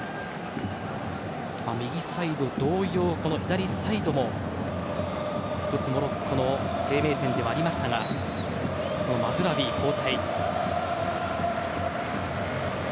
右サイド同様、左サイドも１つ、モロッコの生命線ではありましたがそのマズラウィが交代。